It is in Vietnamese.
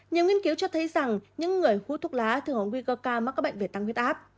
nhiều nghiên cứu cho thấy rằng những người hút thuốc lá thường có nguy cơ cao mắc các bệnh về tăng huyết áp